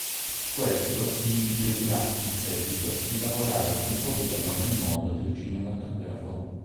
Questo gli impedirà, in seguito, di lavorare a tempo pieno nel mondo del cinematografo.